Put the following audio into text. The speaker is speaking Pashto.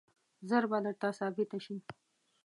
ژر به درته ثابته شي.